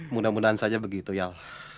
mudah mudahan saja begitu ya